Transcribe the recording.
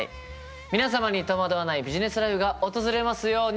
皆様に戸惑わないビジネスライフが訪れますように。